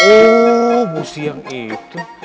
oh busi yang itu